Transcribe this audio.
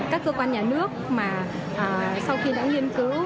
các cơ quan nhà nước mà sau khi đã nghiên cứu